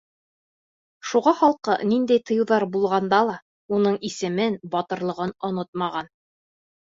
Шуға халҡы, ниндәй тыйыуҙар булғанда ла, уның исемен, батырлығын онотмаған.